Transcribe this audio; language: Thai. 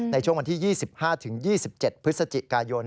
ในช่วงวันที่๒๕๒๗พฤศจิกายน